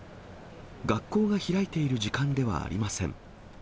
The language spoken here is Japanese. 学校が開いている時間ではありません。